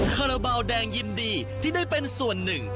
คาราบาลแดงยินดีที่ได้เป็นส่วนหนึ่ง